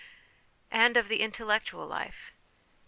And of the Intellectual Life.